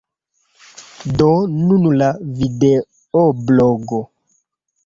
Do nun la videoblogo.